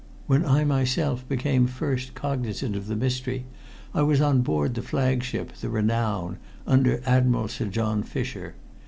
When I myself became first cognizant of the mystery I was on board the flagship the Renown, under Admiral Sir John Fisher.